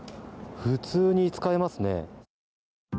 普通に使えますね。